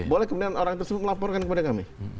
boleh kemudian orang tersebut melaporkan kepada kami